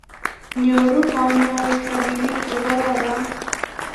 nyoru kanyoik robinik che kororon